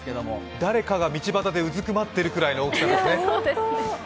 誰かが道端でうずくまっているくらいの大きさですね。